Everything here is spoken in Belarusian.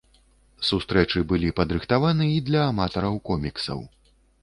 Сустрэчы былі падрыхтаваны і для аматараў коміксаў.